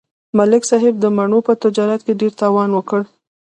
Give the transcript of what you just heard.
ملک صاحب د مڼو په تجارت کې ډېر تاوان وکړ